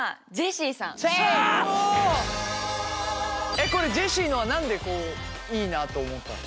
えっこれジェシーのは何でいいなと思ったんですか？